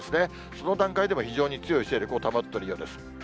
その段階でも非常に強い勢力を保っているようです。